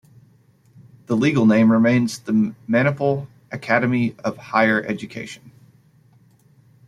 The legal name remains the Manipal Academy of Higher Education.